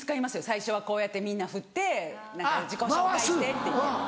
最初はこうやってみんなふって何か「自己紹介して」って言って。